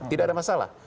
tidak ada masalah